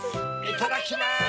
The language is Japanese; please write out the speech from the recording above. いただきます！